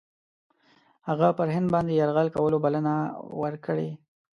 هغه پر هند باندي یرغل کولو بلنه ورکړې.